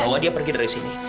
bahwa dia pergi dari sini